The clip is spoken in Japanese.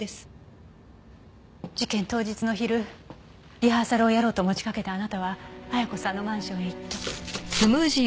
事件当日の昼リハーサルをやろうと持ち掛けたあなたは綾子さんのマンションへ行った。